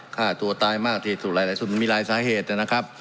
ฆ่าตัวตายมากที่สุดหลายส่วนมีหลายสาเหตุนะครับ